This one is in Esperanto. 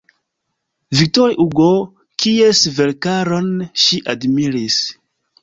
V. Hugo kies verkaron ŝi admiris.